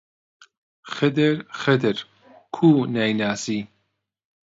خدر، خدر، کوو نایناسی؟!